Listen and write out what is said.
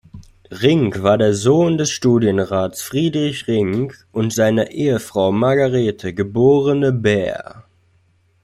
Rinck war der Sohn des Studienrats Friedrich Rinck und seiner Ehefrau Margarete, geborene Bähr.